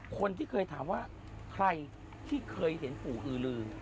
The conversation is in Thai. คนที่เคยถามว่าใครที่เคยเห็นปู่อือลือ